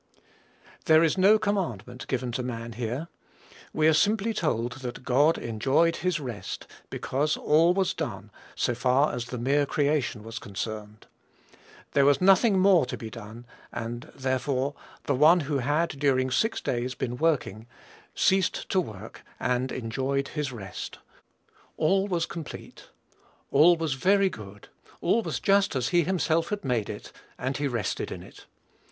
There is no commandment given to man, here. We are simply told that God enjoyed his rest, because all was done, so far as the mere creation was concerned. There was nothing more to be done, and, therefore, the One who had, during six days, been working, ceased to work, and enjoyed his rest. All was complete; all was very good; all was just as he himself had made it; and he rested in it.